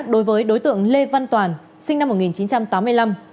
đối với đối tượng lê văn toàn sinh năm một nghìn chín trăm tám mươi năm